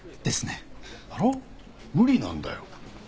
無理なんだよ。